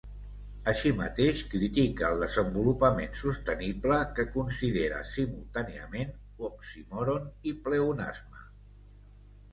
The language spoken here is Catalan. Així mateix, critica el desenvolupament sostenible, que considera simultàniament oxímoron i pleonasme.